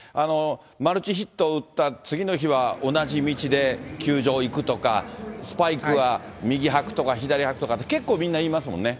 マルチヒットを打った次の日は同じ道で球場行くとか、スパイクは右履くとか左履くとかって、結構みんな言いますもんね。